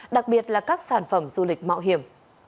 đặc biệt là các sản phẩm du lịch mạo hiểm